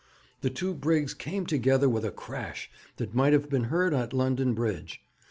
The two brigs came together with a crash that might have been heard at London Bridge.